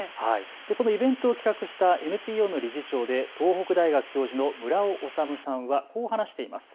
このイベントを企画したＮＰＯの理事長で東北大学教授の村尾修さんはこう話しています。